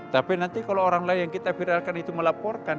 tapi nanti kalau orang lain yang kita viralkan itu melaporkan